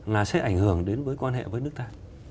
là sẽ ảnh hưởng đến mối quan hệ với nước ta